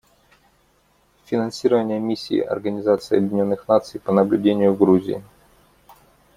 Финансирование Миссии Организации Объединенных Наций по наблюдению в Грузии.